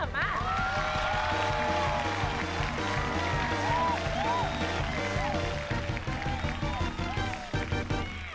มา